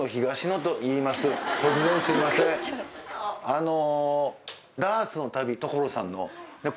あの。